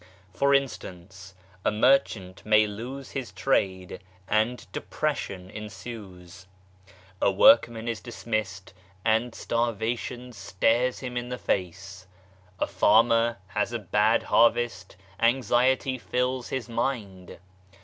For instance, a merchant may lose his trade and depression ensues. A workman is dismissed and PAIN AND v SORROW 101 starvation stares him in the face. A farmer has a bad harvest, anxiety fills his mind.